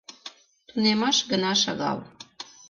— Тунемаш гына шагал.